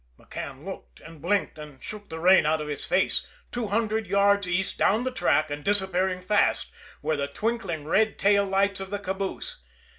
McCann looked, and blinked, and shook the rain out of his face. Two hundred yards east down the track, and disappearing fast, were the twinkling red tail lights of the caboose.